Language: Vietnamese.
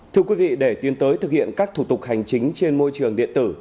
thưa quý vị để tiến tới thực hiện các thủ tục hành chính trên môi trường điện tử